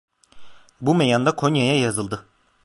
Bu meyanda Konya'ya yazıldı.